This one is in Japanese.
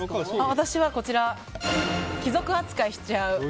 私は、貴族扱いしちゃう。